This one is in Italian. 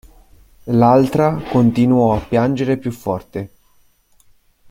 L'altra continuò a piangere più forte.